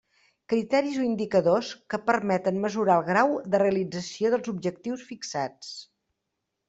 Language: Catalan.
Criteris o indicadors que permeten mesurar el grau de realització dels objectius fixats.